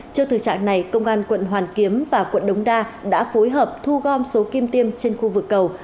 trước thực trạng này công an quận hoàn kiếm và quận đống đa đã phối hợp thu gom số kim tiêm trên khu vực cầu